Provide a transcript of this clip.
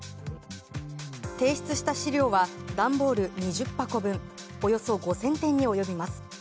提出した資料は段ボール２０箱分およそ５０００点に及びます。